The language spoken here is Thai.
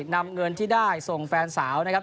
นำเงินที่ได้ส่งแฟนสาวนะครับ